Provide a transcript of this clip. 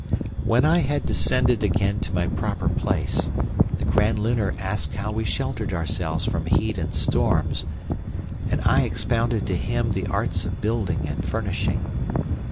"When I had descended again to my proper place the Grand Lunar asked how we sheltered ourselves from heat and storms, and I expounded to him the arts of building and furnishing.